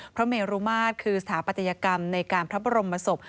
เมรุมาตรคือสถาปัตยกรรมในการพระบรมศพ